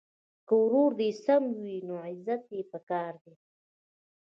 که ورور دي سم وي نو عزت یې په کار دی.